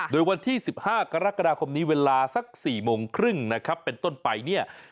โดยวันที่๑๕กรกฎาคมนี้เวลาสัก๔โมงครึ่งนะครับเป็นต้นไปเนี่ย